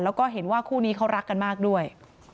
แล้วก็เห็นว่าคู่นี้เขารักกันมากด้วย